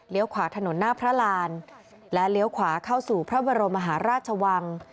ขวาถนนหน้าพระรานและเลี้ยวขวาเข้าสู่พระบรมมหาราชวัง